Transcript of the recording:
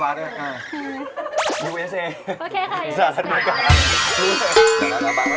สาธารณีกราศาสตร์